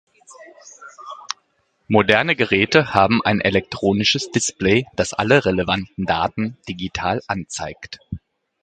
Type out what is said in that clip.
Moderne Geräte haben ein elektronisches Display, das alle relevanten Daten digital anzeigt.